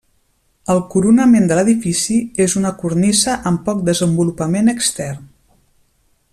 El coronament de l'edifici és una cornisa amb poc desenvolupament extern.